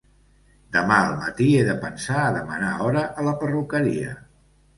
Demà al matí he de pensar a demanar hora a la perruqueria.